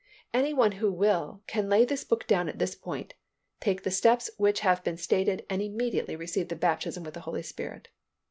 Any one who will, can lay this book down at this point, take the steps which have been stated and immediately receive the baptism with the Holy Spirit.